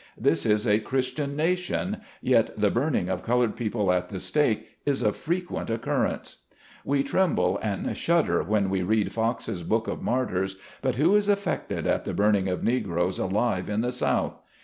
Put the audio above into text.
This is a Christian nation, yet the burning of colored people at the stake is of fre quent occurrence. We tremble and shudder when we read Fox's Book of Martyrs, but who is affected at the burning of Negroes alive in the South